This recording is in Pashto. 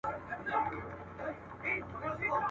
ایوب خان بیرغ ور تسلیم کړ.